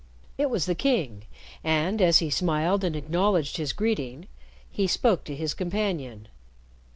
It was the King; and, as he smiled and acknowledged his greeting, he spoke to his companion.